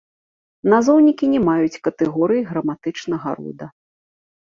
Назоўнікі не маюць катэгорыі граматычнага рода.